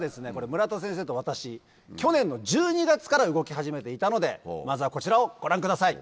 村田先生と私去年の１２月から動き始めていたのでまずはこちらをご覧ください。